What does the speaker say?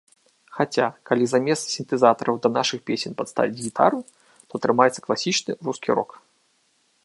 Хаця, калі замест сінтэзатараў да нашых песень падставіць гітару, то атрымаецца класічны рускі рок.